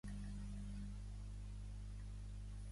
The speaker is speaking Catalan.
Portalada de l'antic Santuari Marià de Quadres.